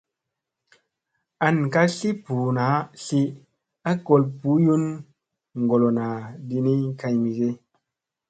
An ka tli ɓuu naa tli a gol ɓuyun goolona di ni kay mege ?